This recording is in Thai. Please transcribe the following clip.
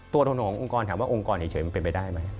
ถนนขององค์กรถามว่าองค์กรเฉยมันเป็นไปได้ไหม